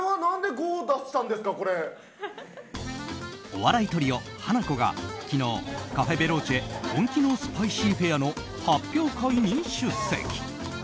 お笑いトリオ、ハナコが昨日、カフェ・ベローチェ本気のスパイシーフェアの発表会に出席。